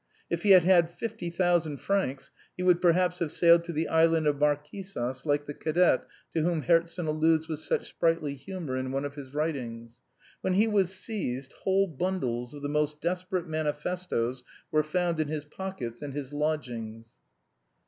If he had had fifty thousand francs he would perhaps have sailed to the island of Marquisas like the "cadet" to whom Herzen alludes with such sprightly humour in one of his writings. When he was seized, whole bundles of the most desperate manifestoes were found in his pockets and his lodgings.